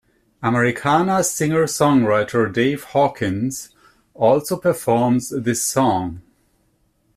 Americana Singer Songwriter Dave Hawkins also performs this song.